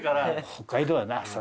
北海道はな